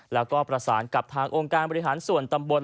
แล้วก็ประสานกับทางองค์การบริหารส่วนตำบล